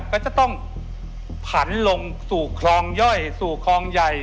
ก็จะต้องผันลงสู่คลองย่อยสู่คลองใหญ่